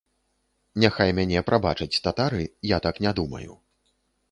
Няхай мяне прабачаць татары, я так не думаю.